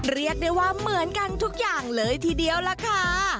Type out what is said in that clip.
เรียกได้ว่าเหมือนกันทุกอย่างเลยทีเดียวล่ะค่ะ